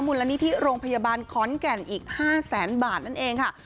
มูลนิธิโรงพยาบาลขอนแก่นอีก๕แสนบาทนั่นเองค่ะ